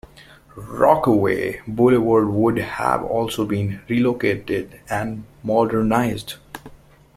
Rockaway Boulevard would have also been relocated and modernized.